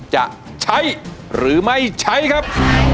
จะใช้หรือไม่ใช้ครับ